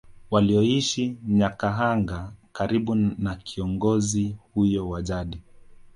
Walioishi Nyakahanga karibu na kiongozi huyo wa jadi